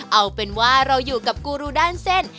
เอาเป็นว่าเราอยู่กับกูรูด้านเส้น